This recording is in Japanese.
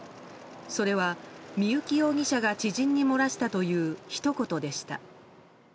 それは、三幸容疑者が知人に漏らしたというひと言でした。